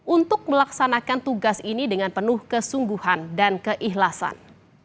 untuk melaksanakan tugas ini dengan penuh kesungguhan dan keikhlasan